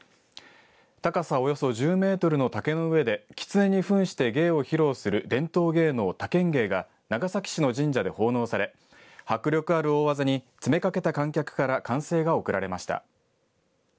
高さおよそ１０メートルの竹の上できつねにふんして芸を披露する伝統芸能、竹ン芸が長崎市の神社で奉納され迫力ある大技に詰めかけた観客から歓声が送られました。